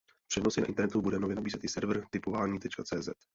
Přenosy na internetu bude nově nabízet i server tipovani.cz.